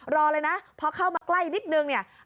รอเลยนะเพราะเข้ามาใกล้นิดหนึ่ง